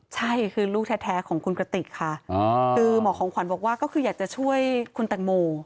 ใช่คือลูกแท้ของคุณกระติกค่ะคือหมอของขวัญบอกว่าก็คืออยากจะช่วยคุณแตงโม